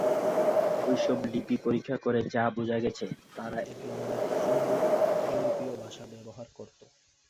ঐসব লিপি পরীক্ষা করে যা বোঝা গেছে, তারা একধরনের ইন্দো-ইউরোপীয় ভাষা ব্যবহার করত।